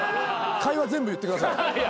会話全部言ってください。